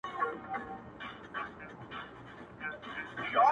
دا له هغه مرورو مرور دی!